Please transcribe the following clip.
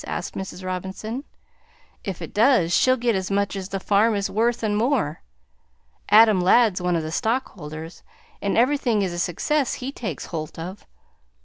asked Mrs. Robinson. "If it does, she'll git as much as the farm is worth and more. Adam Ladd 's one of the stockholders, and everything is a success he takes holt of.